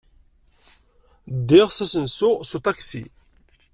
Ddiɣ s asensu s uṭaksi.